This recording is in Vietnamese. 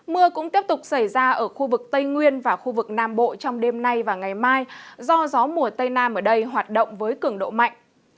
mưa cũng tiếp tục xảy ra ở khu vực tây nguyên và khu vực nam bộ trong đêm nay và ngày mai do gió mùa tây nam ở đây hoạt động với cường độ mạnh